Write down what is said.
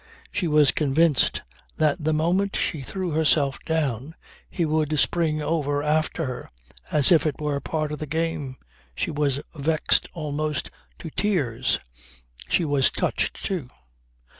She was convinced that the moment she threw herself down he would spring over after her as if it were part of the game. She was vexed almost to tears. She was touched too.